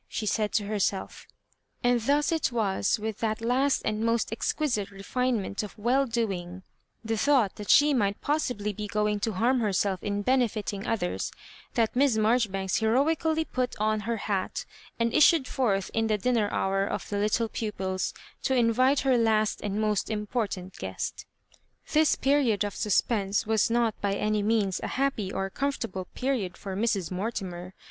she said to herself, And thus it was with that last and most exquisite refinement of well doing, the thought that she might pos sibly be going to harm herself in benefiting others, that Miss Marjoribanks heroically put on her hat, and issued forth in the dinner hour of the little pupils, to invite her last and most impor tant guest. Tliis period of suspense was not by any means a happy or comfortable period for Mrs. Mortimer.